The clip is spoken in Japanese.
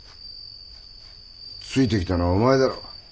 ついてきたのはお前だろう。